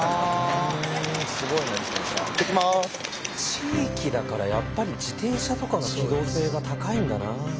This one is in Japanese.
地域だからやっぱり自転車とかの機動性が高いんだな。